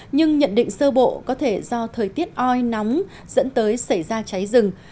nhưng nhận định sơ bộ có thể do thời tiết oi nóng dẫn tới xảy ra cháy rừng